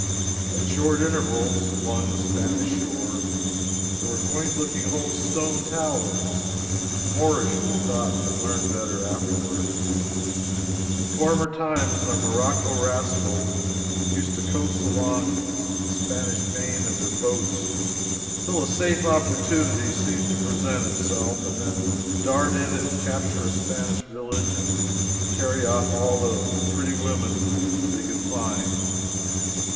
At short intervals along the Spanish shore were quaint looking old stone towers Moorish, we thought but learned better afterwards. In former times the Morocco rascals used to coast along the Spanish Main in their boats till a safe opportunity seemed to present itself, and then dart in and capture a Spanish village and carry off all the pretty women they could find.